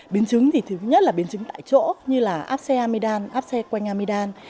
biến chứng thì thứ nhất là biến chứng tại chỗ như là áp xe amidam áp xe quanh amidam